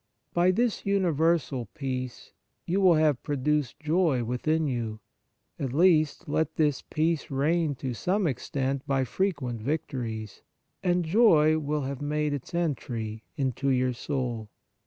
By this universal peace you will have produced joy within you. At least, let this peace reign to some extent by frequent victories, and joy will have made its entry into your soul.